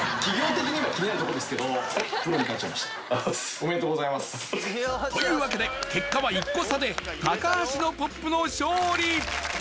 おめでとうございます！というわけで結果は１個差で橋のＰＯＰの勝利！